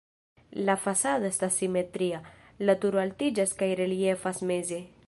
La fasado estas simetria, la turo altiĝas kaj reliefas meze.